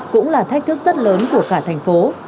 cũng là thách thức rất lớn của cả thành phố